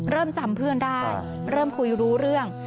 เริ่มจำเพื่อนได้เริ่มคุยรู้เรื่อง